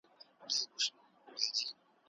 د افغان هویت پرتم راواخله